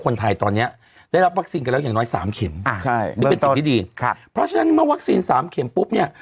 คนไทยตอนนี้ได้รับวัคซีนกันแล้วอย่างน้อย๓เข็มเป็นติดดีเพราะฉะนั้นเมื่อวัคซีน๓เข็มปุ๊บเนี่ย